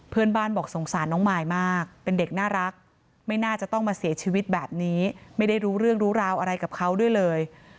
เพื่อนบ้านบอกสงสารน้องมายมากเป็นเด็กน่ารักไม่น่าจะต้องมาเสียชีวิตแบบนี้ไม่ได้รู้เรื่องรู้ราวอะไรกับเขาด้วยเลย